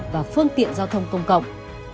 và phương tiện giao thông công cộng